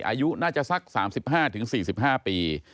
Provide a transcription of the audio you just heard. อายุน่าจะสัก๓๕๔๕ปี